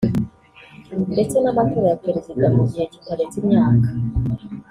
ndetse n’amatora ya perezida mu gihe kitarenze imyaka